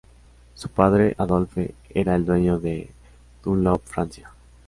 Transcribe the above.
Su padre Adolphe era el dueño de Dunlop Francia.